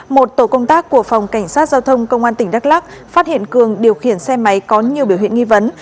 một tổ công tác của phòng cảnh sát giao thông công an tỉnh đắk lắc phát hiện cường điều khiển xe máy có nhiều biểu hiện nghi vấn